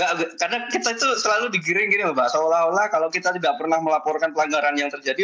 karena kita itu selalu digiring gini mbak seolah olah kalau kita tidak pernah melaporkan pelanggaran yang terjadi